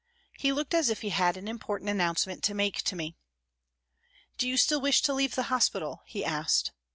He looked as if he had an important announcement to make to me. " Do you still wish to leave the hospital ?" he asked.